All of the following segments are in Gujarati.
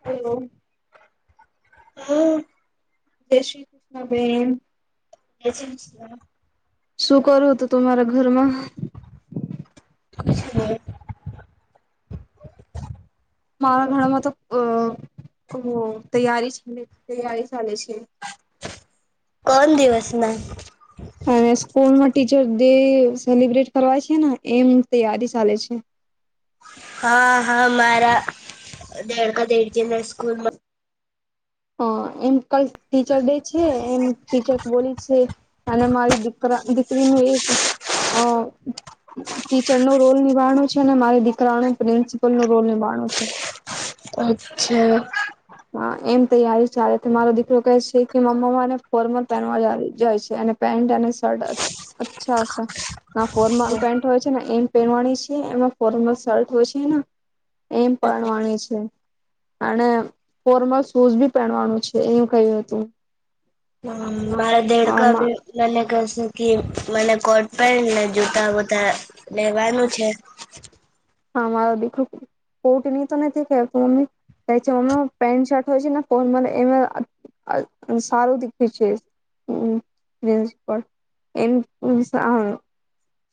હલો હમ [unintelligible] જય શ્રી ક્રિષ્ણ બેન કોણ શું કરું તો તમારા ઘરમાં એ [inaudible] મારા ઘરમાં તો અ ઓ તૈયારી તૈયારી ચાલે છે કોણ દિવસના હાને સ્કૂલમા ટીચર ડે સેલિબ્રેટ કરવા છે ને એમ તૈયારી ચાલે છે હા હા મારા દડકા દેડકીના સ્કૂલમાં હ એમ કાલ ટીચર ડે છે એમ ટીચર બોલી છે અને મારી દીકરા દીકરીનું એક અ ટીચર નો રોલ નિભાડનો છે અને મારી દીકરાનું પ્રિન્સિપલ નો રોલ નિભાર છે અચ્છા. હા એમ તૈયારી ચાલે મારો દીકરો કહે છે કે મમ્માને ફોર્મલ પહેનવા જાય છે અને પેન્ટ અને શર્ટ અચ્છા સે ફોર્મલ પેન્ટ હોય છે ને એમ પહેરવાની છે, એમાં ફોર્મલ શર્ટ હોય છે એમ પહેરવાની છે, અને ફોર્મલ શૂઝ બી પહેરવાનું છે એવ કહ્યું હતું. મારા દેડકા ભી હા, નાને ગસ જો મને કોટ પેન્ટ ને જતા બતા લેવાનું છે. આ મારો દીકરો કોટની તો નથી મમ્મી ક છે મમ્મી પેન્ટ શર્ટ હોય છે ને ફોર્મલ એ સારું દેખ્યું છે,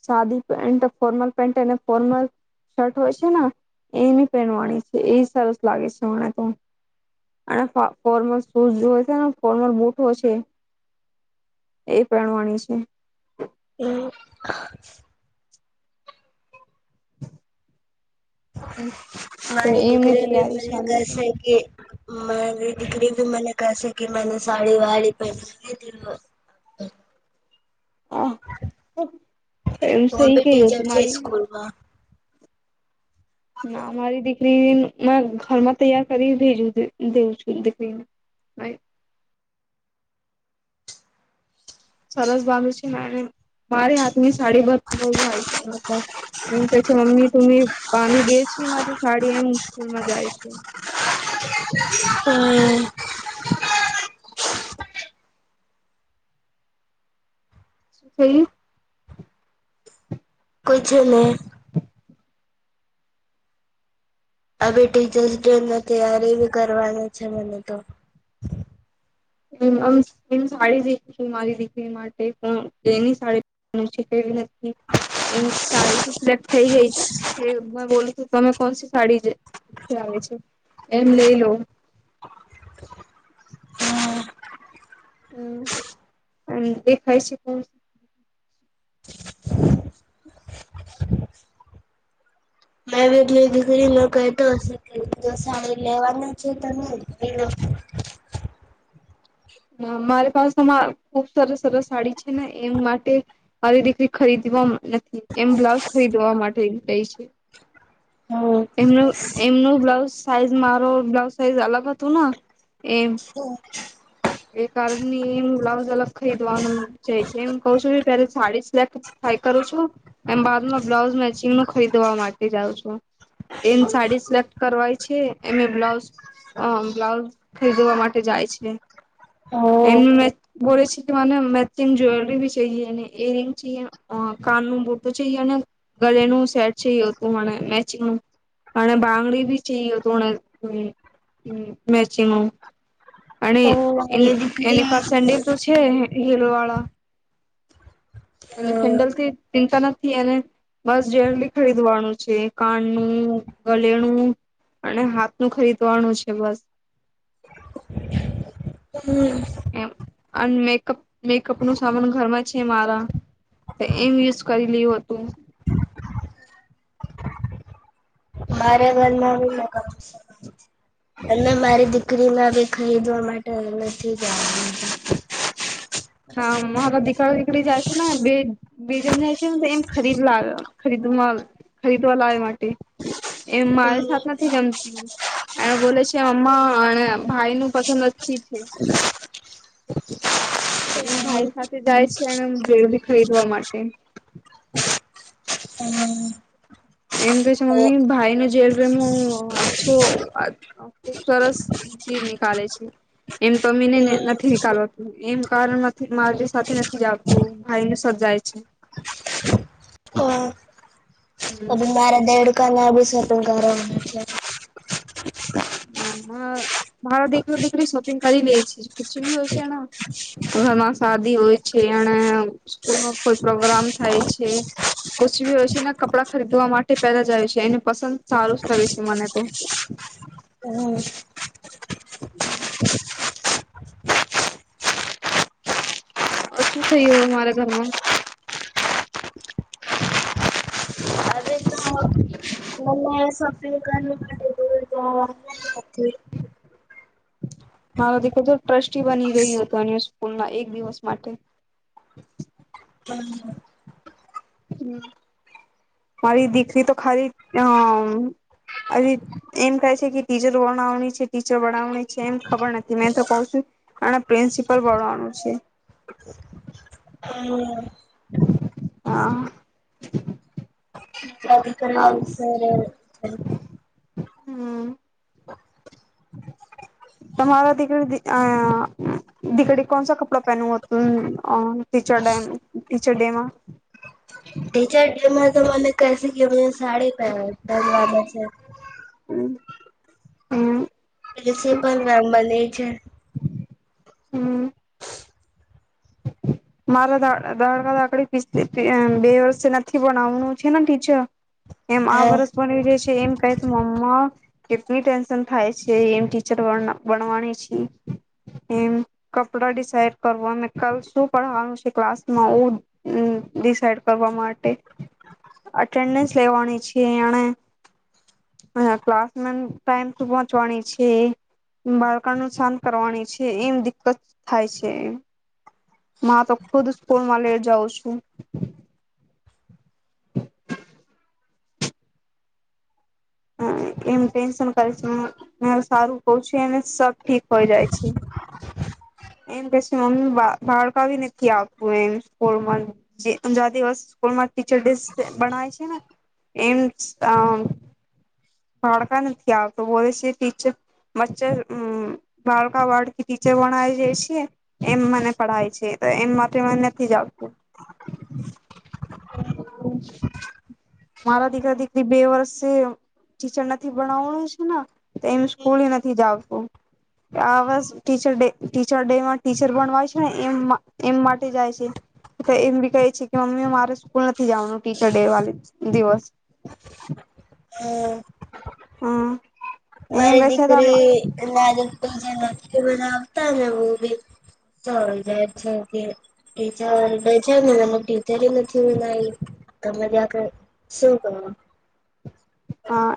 સાદી pant formal pant formal shirt હોય છે ને, એની પહેરવાની છે એ સરસ લાગે છે મને તો, અને ફોર્મલ શૂઝ હોય છેને ફોર્મલ બૂટ હો છે, એ પહેરવાની છે. એમ. હમ. મારી દીકરી ભી મને કહે છે કે મા દીકરી ભી મને કસે કે મને સાડી વાડી પહેની દી વ. હ એ વો સહી ક ભી હો તુ ટીચર છે મારી સ્કૂલમાં ના મારી દીકરી મે ઘરમાં તૈયાર કરી ભેજું દેઉું છું દીકરીને. સરસ બાંધી છે મેને મારે આદમી સાડી બ બુય છેછ એવું કેછે મમ્મી ત [unintelligible] પાણી દે છે માટેરી સાડી એમ સ્કૂલ માં જાય છે. હમ. [unintelligible] શું થયું? કુછની. આવે ટીચર્સ ડે ની તય્યારે બી કરવાની છે મને તો. સાડી શી મારી દીકરી માટે પણ એની સાડી છે કેવી નથી. એમ સાડીથી સિલેક્ટ થઈ ગઈ છે. મે બોલું છું તમે કોણ સ સાડી આવે છે, એમ લઈ લો. હા હમ, અને દેખાય છે કો [unintelligible] મે એટલી દીકરીને કતો હશે કે જો સાડી લેવાની છે તમે. હ મારી પાસેમાં ખુબ સરસ સરસ સાડી છે ને એમ માટે, મારી દીકરી ખરીદવા નથી એમ બ્લાઉઝ ખરીદવા માટે ગઈ છે. હમ એમનું એમનું બ્લાઉઝ સાઈઝ મારો બ્લાઉઝ સાઈઝ અલગ હતોના. હમ. કારનેમ બ્લાઉઝ અલગ ખરીદવાનું જ છે એમ. કઉ છું પે સાડી સિલાક થાય કરું છું, એમ બાદમાં બ્લાઉઝ મેચિંગ નું ખરીદવા માટે જાઉં છું. એ સાડી સિલેક્ટ કરવાય છે એમ એ બ્લાઉઝ અમ બ્લાઉઝ ખરીદવા માટે જાય છે, એ મે બોલે છે મને મેચિંગ જવેલરી બી છીએ અને એરિંગ છીએ કાન ન બટું છેએ અને ગલેનું સેટ છે હતું મને. મેચિંગ, અને બાંગડી બી છીએ હતું અંણે મેચિંગમ.. અને એ મારી દીકરી એની પાસ સેન્ડલ તો છે. હીલવાળા. અને સેન્ડલથી ચિંતા નથી એને, બસ જેરલી ખરીદવાણુ છે કાનણુ, ગલેણુ અને હાથણુ ખરીદવાનું છે બસ. હમ અન મેઅપ મેકઅપ નું સામાન ઘરમાં છે મારા એમ યુઝ કરી લય હતું મારે ઘરમાં [unintelligible] અને મારી દીકરી ના ખરીદવા માટે નથી જાય ના મારો દીકરો દીકરી જાય છે ને બે બે જણ જાય છે ને એમ ખરીદ લ ખરીદ ખરીદવા લાવવા માટે એમ મારી સાથે નથી જમતી એ બોલે છે અમ્મા અને ભાઈ નું પસંદ અચ્છી છે એમ ભાઈ સાથે જાય છે એ જરૂરી ખરીદવા માટે એમ કે છે મમ્મી ભાઈ ન જેવેલરી મું અછો ખુબ સરસ ચીજ નીકાલેે છે એમ તો તમીને નથી નીકાલવાતું એમ કારણ માંથી મારી સાથે નથી જતું ભાઈને સાથ જાય છે અબ હમ મારા દેડ ક ના બી સ્વત કરો [unintelligible] હ માં મારો દીકરો દીકરી શોપિંગ કરી લે છે કછ બી હોય છેને ઘરમાં શાદી હોય છે એને સ્કૂલમાં કોઈ પ્રોગ્રામ થાય છે કુછ બી હોય છે ને કપડા ખરીદવા માટે પેલા જાય છે એને પસંદ સારું જ લાગે છે મને તો હમ હમ શું થયું મારા ઘરમાં [unintelligible] સોપિંગ કરવા માટે જ [unintelligible] મારો દીકરો તો ટ્રસ્ટી બની ગય હતું અના સ્કૂલ મા એક દિવસ માટે હ મારી દીકરી તો ખાલી અ ખાલી એમ કહે છે કે ટીચર બનાવની છે ટીચર બનાવની છે એમ ખબર નથી મેં તો કહ છું એને પ્રિન્સિપલ બણવાનું છે હમ હા પિક સર [unintelligible] હ તમારા દીકરી આ દીકરી કોણસા કપડા પહેનું હતું ટીચર ડ ટીચર ડેમાં તમામાને કસ કને [unintelligible] સાડીર છે [unintelligible] હમ હમ પ્રિન્સિપલ મેમ બની છે હમ મારા દા દાકડી [unintelligible] બે વર્ષે નથી બનાવનું છે ને ટીચર એમ આ હા વર્ષ બવી ર છે એમ ક મમ્મા કેટલી ટેન્શન થાય છે એમ ટીચર બનવાણી છે એમ કપડા દસાઈડ કરવા નું શું ભણવાનું છે ક્લાસમાં ડિસાઇડ કરવા માટે અટેન્ડન્સ લેવાની છે એણે ક્લાસ ટમ ટુ પહોચવાની છે બાળકનું શાંત કરવાણી છે એમ દિકકત થાય છે તો ખુદ સ્કૂલમાં લેટ જાઉં છું [unintelligible] હ એમ ટેન્શન કરે છે સારું કહ છેું અને સબ ઠીક હોય જાય છે એમ કે છે મમ્મી બાળકી નથી આપતું એમ સ્કૂલ જે [unintelligible] દિવસ સ્કૂલમાં ટીચર ડે બનાય છે ને એમ કા નથી આવતું બોલે છે ટીચર બચ્ચરકા વડથી ટીરણ જાય છે એમ મને પડાય છે એમ માટે મને નથી જતું મારા દીકરા દીકરી બે વર્ષે ટ છે ને તો એમ સ્કૂલ નથી જાવતું. આ વ ટ ટીચર ડે ટીચરણવાય છે. ને એ એમ માટે જાય છે એમ બી કહે છે કે, મમ્મી મારે સ્કૂલ નથી જવા. નું ટીચર ડે વા દિવસ હા હમ્મ મારે દીખરે નાદવ જ બના [unintelligible] હા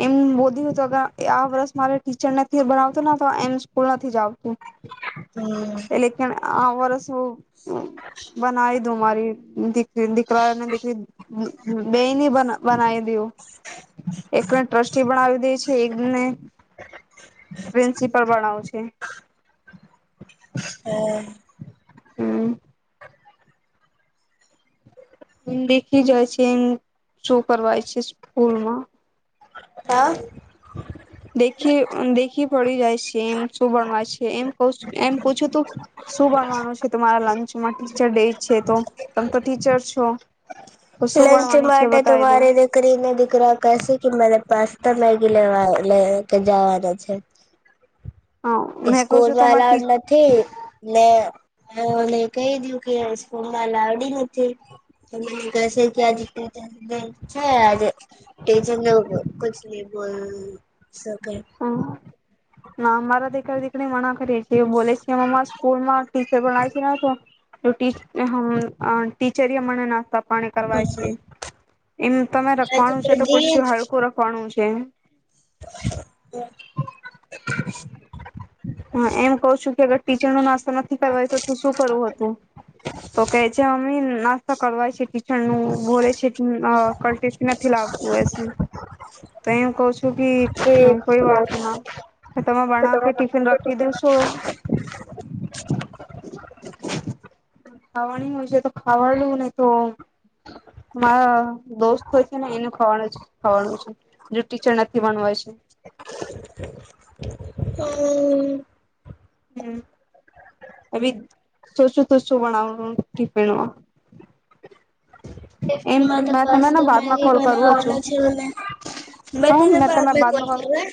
એ એમ બોધ્યું આ વર્ષ મારે ટીચર નથી બનાવતું તો એ સ્કૂલ નથી જ આવતું. હમ્મ એટલે કે આ વરષુ બનાવી દું મારી દીકરી દીકરાને દીકરી બેની બનાવી એકને ટ્રસ્ટી બનાવી દે છે. એકને પ્રિન્સિપલ બનાવુ છે. હમ્મ એમ દેખી જાય છે. એમ શું કરવાય છે, સ્કૂલમાં હા દેખી દેખી પડી જાય છે. એમ શું ભણવા છે, એમ ક એમ પૂછ્યું તું શું ભણવાનું છે, તમારા લંચમાં ટીચર ડે છે તો તમે તો ટીચર છો. તો શું લંચ ભણવાની છે માટે બતાવી દો તુંરે દી કરીરી ને દીકરા કસે કે મારે પાસે મેગી લેવા લે કે જવાના છે હા મેં કઉ છું સ્કૂલમાં તમારે અલાઉડ ટી નથી. ને બઉને કહી દું કે સ્કૂલ મા અલાવડી નથી કસે કે આજ ટીચ છે. આજે ટીચર કછ ન બોલ હમ્મ સકે ના અમારા દેક દીકરી મણા કરીરી એ બોલે છે, અ સ્કૂલ માં ટીચર પણ છે ન તો તો ટીચ ને હમ્મ ટીચરે મનનાતા પણે કરવા છે. એમ તમે રખવાનું છે, તો કછ હલકું રખવાનું છે કેમ હુ એમ કહ છું કે, ટીચર નો નાસ્તો નથી કરવાઇ તો તું શું કરું હતું. તો કે છે મમ્મી સકવાય છે હુ ભોલે છે. કલ ટફી નથી લાવતું હશે. તો એ હું કઉ છું કે કોઈ વાત ના તમે બના બસ કે ટિફિન રાખી દઉ છો ત [unintelligible] ખાવાની હોય છે તો ખાવાડ લું નહી તો મારા દોસ્ત હોય છે ને એનું ખવા ખાવાનું છે. જે ટીચર નથી ભણવાય છે હમ્મ હમ હી શો શું તો શું બણાવવાનું ટિફિન મા તો પાસ્તા મેગી કરું છું બનાવાના છે. ને હ મેં તેના તમે બ કોલ બાદમાં કરું હ